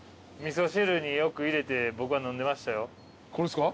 これっすか？